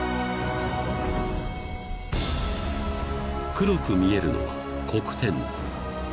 ［黒く見えるのは黒点］